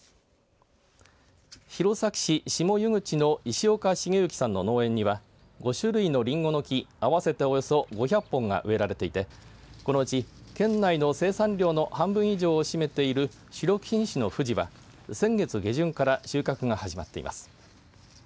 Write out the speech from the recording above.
弘前市下湯口の石岡繁行さんの農園には５種類のりんごの木合わせて、およそ５００本が植えられていてこのうち県内の生産量の半分以上を占めている主力品種のふじは、先月下旬から収穫が始まっています。